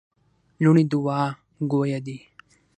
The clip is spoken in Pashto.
لوڼي دوعا ګویه دي.